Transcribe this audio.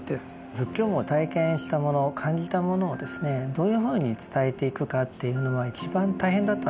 仏教も体験したもの感じたものをどういうふうに伝えていくかっていうのは一番大変だったんだと思うんです。